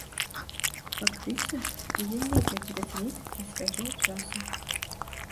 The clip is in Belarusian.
Фактычна ж яе нельга пераацаніць для свайго часу.